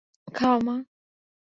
খাও, মা।